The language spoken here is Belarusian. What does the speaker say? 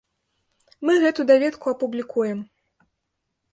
Мы гэту даведку апублікуем.